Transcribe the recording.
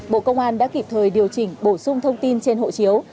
bộ công an đã kịp thời điều chỉnh bổ sung thông tin trên hộ chiếu